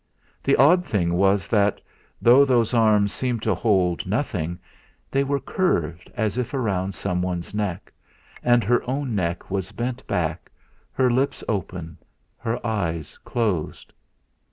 The odd thing was that, though those arms seemed to hold nothing, they were curved as if round someone's neck, and her own neck was bent back, her lips open, her eyes closed.